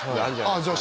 ああ